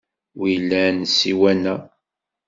Wilan ssiwan-a?